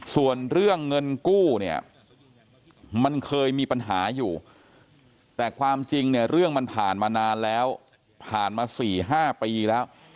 ส่วนเรื่องเงินกู้เนี่ยมันเคยมีปัญหาอยู่แต่ความจริงเนี่ยเรื่องมันผ่านมานานแล้วผ่านมา๔๕ปีแล้ว